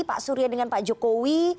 pak surya dengan pak jokowi